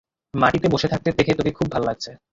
মাটিতে বসে থাকতে দেখে তোকে খুব ভালো লাগছে।